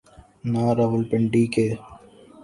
نہ راولپنڈی کے۔